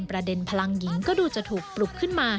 ประเด็นพลังหญิงก็ดูจะถูกปลุกขึ้นมา